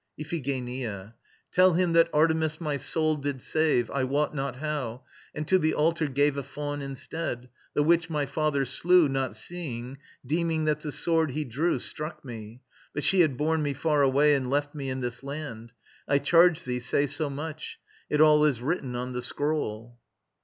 IPHIGENIA. Tell him that Artemis my soul did save, I wot not how, and to the altar gave A fawn instead; the which my father slew, Not seeing, deeming that the sword he drew Struck me. But she had borne me far away And left me in this land. I charge thee, say So much. It all is written on the scroll.